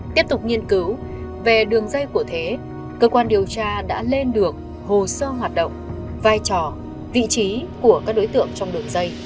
tiếp tục nghiên cứu về đường dây của thế cơ quan điều tra đã lên được hồ sơ hoạt động vai trò vị trí của các đối tượng trong đường dây